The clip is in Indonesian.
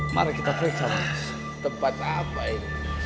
mari kita periksa tempat apa ini